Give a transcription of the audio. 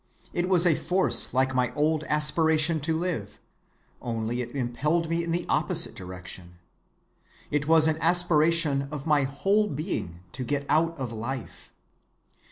It was a force like my old aspiration to live, only it impelled me in the opposite direction. It was an aspiration of my whole being to get out of life.